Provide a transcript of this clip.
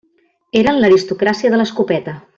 Eren l'aristocràcia de l'escopeta.